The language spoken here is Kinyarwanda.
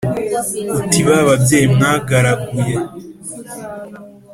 Uti ba babyeyi mwagaraguye